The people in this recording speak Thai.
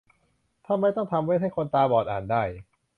ทำไมต้องทำเว็บให้คนตาบอดอ่านได้ ?